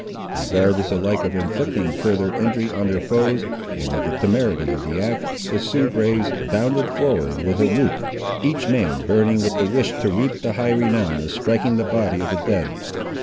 Regardless alike of inflicting further injury on their foes, and of the temerity of the act, the Sioux braves bounded forward with a whoop, each man burning with the wish to reap the high renown of striking the body of the dead.